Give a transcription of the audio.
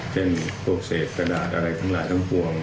พวกเศษกระดาษอะไรทั้งหลายทั้งปวง